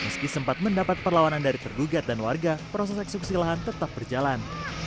meski sempat mendapat perlawanan dari tergugat dan warga proses eksekusi lahan tetap berjalan